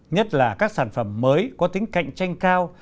nhất là các sản phẩm mới có tính cạnh tranh cao